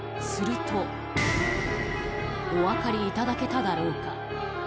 するとお分かりいただけただろうか。